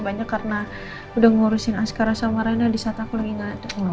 banyak karena udah ngurusin askara sama rena di saat aku lagi gak ada